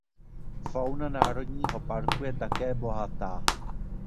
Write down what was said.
Fauna národního parku je také bohatá.